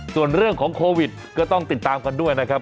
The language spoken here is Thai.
ส่วนเรื่องของโควิดก็ต้องติดตามกันด้วยนะครับ